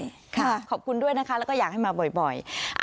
ขอบคุณด้วยนะคะแล้วก็อยากให้มาบ่อย